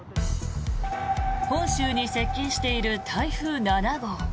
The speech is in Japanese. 本州に接近している台風７号。